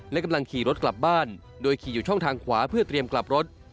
และกำลังขี่รถกลับบ้านโดยขี่อยู่ช่องทางขวาเพื่อเตรียมกลับรถ